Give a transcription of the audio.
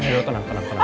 ya tenang tenang tenang